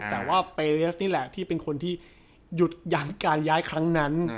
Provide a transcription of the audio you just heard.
แต่ว่าเปเลสนี่แหละที่เป็นคนที่หยุดยั้นการย้ายครั้งนั้น